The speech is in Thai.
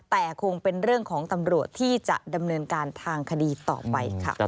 แต่คงเป็นเรื่องของตำรวจที่จะดำเนินการทางคดีต่อไปค่ะ